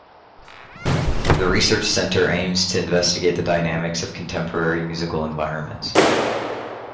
The Research Centre aims to investigate the dynamics of contemporary musical environments.